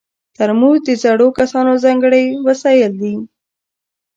ترموز د زړو کسانو ځانګړی وسایل دي.